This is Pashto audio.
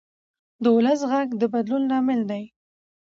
د ولس غږ د بدلون لامل دی